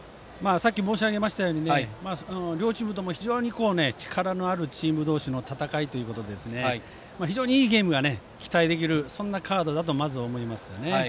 申し上げましたように両チームとも非常に力のあるチーム同士の戦いで非常にいいゲームが期待できるカードだと思いますよね。